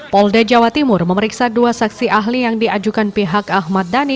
polda jawa timur memeriksa dua saksi ahli yang diajukan pihak ahmad dhani